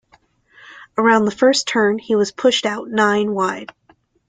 Around the first turn, he was pushed out nine wide.